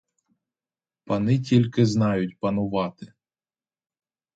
Пани тільки знають панувати.